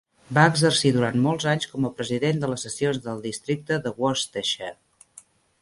Va exercir durant molts anys com a president de les sessions del districte de Worcestershire.